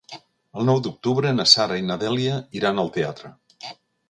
El nou d'octubre na Sara i na Dèlia iran al teatre.